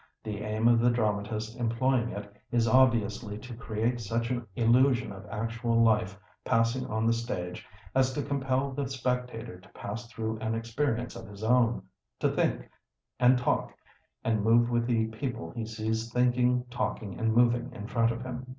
The aim of the dramatist employing it is obviously to create such an illusion of actual life passing on the stage as to compel the spectator to pass through an experience of his own, to think, and talk, and move with the people he sees thinking, talking, and moving in front of him.